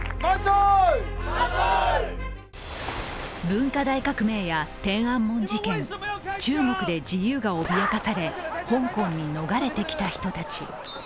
文化大革命や天安門事件、中国で自由が脅かされ香港に逃れてきた人たち。